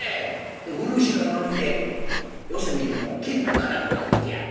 で漆の塗りで四隅にこう金の金具が打ってある。